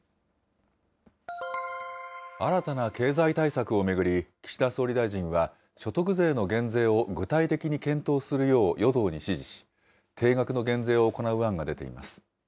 新たな経済対策を巡り、岸田総理大臣は所得税の減税を具体的に検討するよう与党に指示し、定額の減税を行う案が出ています。